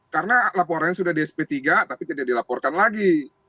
karena laporan sudah di sp tiga tapi tidak dilaporkan lagi